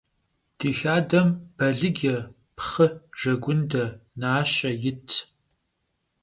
Di xadem balıce, pxhı, jjegunde, naşe yitş.